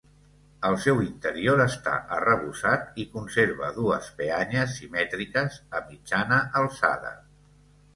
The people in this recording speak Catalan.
El seu interior està arrebossat i conserva dues peanyes simètriques a mitjana alçada.